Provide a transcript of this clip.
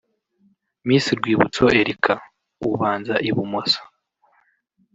Miss Rwibutso Erica (ubanza ibumoso)